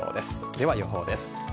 では、予報です。